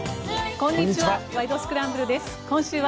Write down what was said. こんにちは。